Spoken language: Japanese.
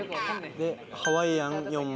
でハワイアン４枚。